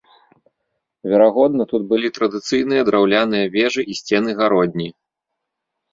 Верагодна, тут былі традыцыйныя драўляныя вежы і сцены-гародні.